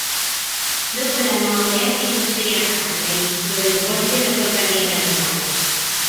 Dopo la laurea si trasferì a Cagliari dove svolse la sua carriera legale.